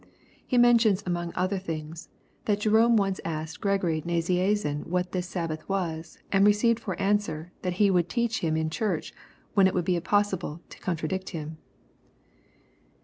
He mentions, among other things, that Jerome once asked Gregory Nazianzen what this Sabbath was, and received for answer, that he would teach him in church when it would be impossible to contradict him.